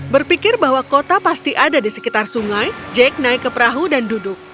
berpikir bahwa kota pasti ada di sekitar sungai jake naik ke perahu dan duduk